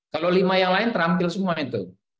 kalau lima yang lain terampil semua itu